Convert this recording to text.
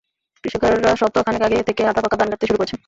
কৃষকেরা সপ্তাহ খানেক আগে থেকেই আধা পাকা ধান কাটতে শুরু করেছেন।